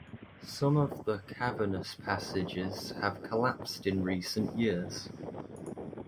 Some of the cavernous passages have collapsed in recent years.